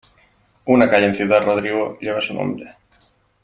Una calle en Ciudad Rodrigo lleva su nombre.